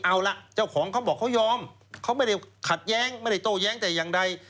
เอาล่ะเจ้าของเขาบอกเขายอมเขาไม่ได้ขัดแย้งไม่ได้โต้แย้งแต่อย่างใด